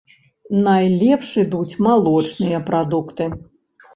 Найлепш ідуць малочныя прадукты.